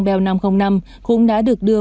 bèo năm trăm linh năm cũng đã được đưa